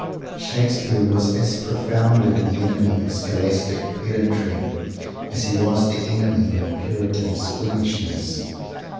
Shakespeare was as profoundly the enemy of scholastic pedantry as he was the enemy of puritan squeamishness.